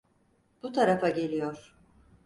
Bu tarafa geliyor.